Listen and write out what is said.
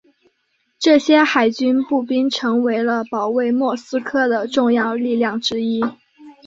这些海军步兵成为了保卫莫斯科的重要力量之一。